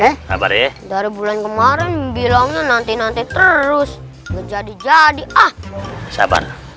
sabar ya dari bulan kemarin bilangnya nanti nanti terus jadi jadi ah sabar